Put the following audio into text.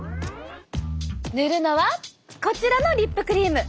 塗るのはこちらのリップクリーム。